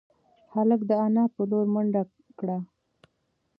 هلک د انا په لور منډه کړه.